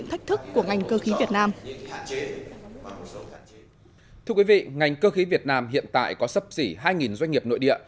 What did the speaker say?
thưa quý vị ngành cơ khí việt nam hiện tại có sắp xỉ hai doanh nghiệp nội địa